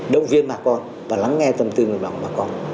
động viên bà con và lắng nghe tâm tư người bảo bà con